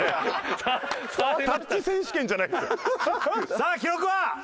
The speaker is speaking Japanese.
さあ記録は？